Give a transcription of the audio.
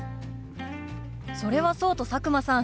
それはそうと佐久間さん